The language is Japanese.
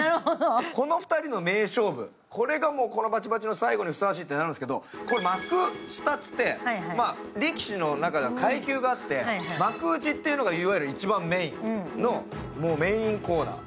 この２人の名勝負、これがこの「バチバチ」の最後にふさわしいってなるんですけど、幕下といって、力士の中では階級があって、幕内っていうのが一番メインのメインコーナー。